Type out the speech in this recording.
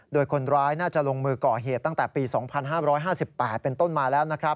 โดยคนร้ายน่าจะลงมือก่อเหตุตั้งแต่ปี๒๕๕๘เป็นต้นมาแล้วนะครับ